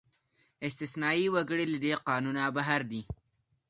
استثنايي وګړي له دې قانونه بهر دي.